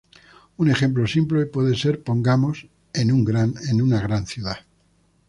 Un ejemplo simple puede ser, pongamos, en una gran ciudad.